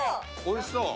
おいしそう。